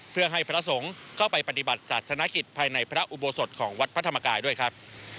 เพื่อให้พระสงฆ์เข้าไปปฏิบัติศาสนกิจภายในพระอุโบสถของวัดพระธรรมกายด้วยครับ